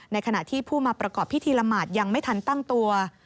ขณะที่ผู้มาประกอบพิธีละหมาดยังไม่ทันตั้งตัว